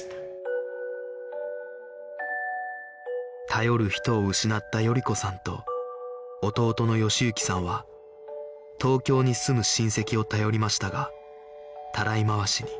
頼る人を失った賀子さんと弟の喜之さんは東京に住む親戚を頼りましたがたらい回しに